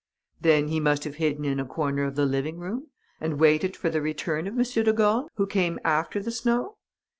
"Then he must have hidden in a corner of the living room and waited for the return of M. de Gorne, who came after the snow?"